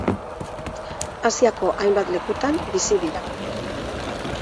Asiako hainbat lekutan bizi dira.